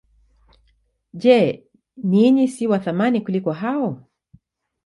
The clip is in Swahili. Je, ninyi si wa thamani kuliko hao?